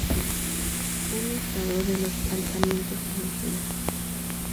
Un listado de los alzamientos indígenas.